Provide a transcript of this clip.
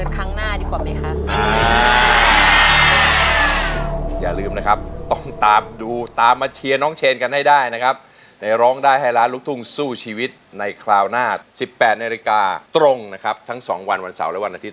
คราวหน้า๑๘นาฬิกาตรงนะครับทั้ง๒วันวันเสาร์และวันอาทิตย์